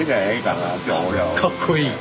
かっこいい。